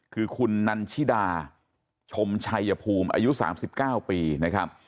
คือคุณนันชิดาชมชัยภูมิอายุ๓๙ปีนะครับ